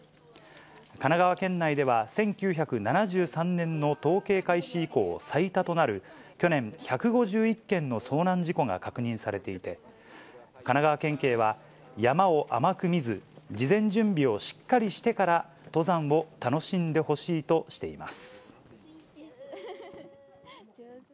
神奈川県内では、１９７３年の統計開始以降、最多となる、去年、１５１件の遭難事故が確認されていて、神奈川県警は、山を甘く見ず、事前準備をしっかりしてから登山を楽しんでほしいとしています。